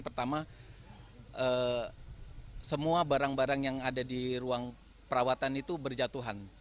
pertama semua barang barang yang ada di ruang perawatan itu berjatuhan